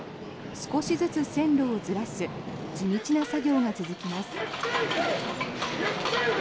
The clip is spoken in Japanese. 少しずつ線路をずらす地道な作業が続きます。